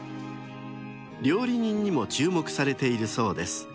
［料理人にも注目されているそうです］